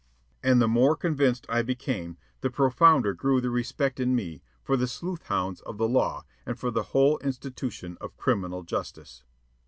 And the more convinced I became, the profounder grew the respect in me for the sleuth hounds of the law and for the whole institution of criminal justice.